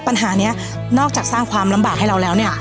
ปัญหานี้นอกจากสร้างความลำบากให้เราแล้วเนี่ย